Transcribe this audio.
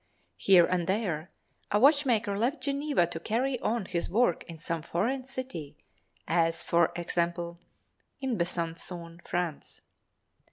Here and there, a watchmaker left Geneva to carry on his work in some foreign city, as, for example, in Besancon, France.